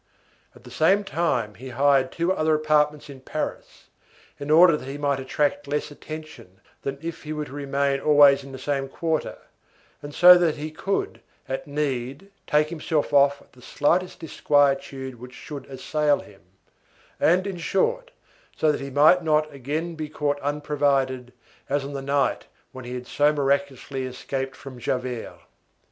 At the same time he hired two other apartments in Paris, in order that he might attract less attention than if he were to remain always in the same quarter, and so that he could, at need, take himself off at the slightest disquietude which should assail him, and in short, so that he might not again be caught unprovided as on the night when he had so miraculously escaped from Javert.